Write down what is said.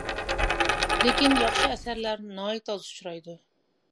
لېكىن ياخشى ئەسەرلەر ناھايىتى ئاز ئۇچرايدۇ.